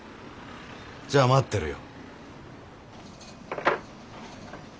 じゃあ待ってるよ。